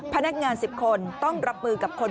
พนักงาน๑๐คนต้องรับมือกับคน